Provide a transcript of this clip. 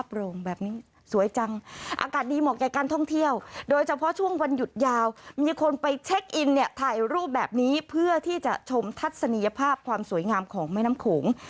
โอ้โฮฟ้าโปร่งแบบนี้สวยจัง